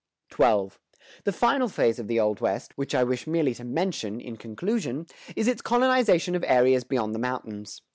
[124:1] XII. The final phase of the Old West, which I wish merely to mention, in conclusion, is its colonization of areas beyond the mountains.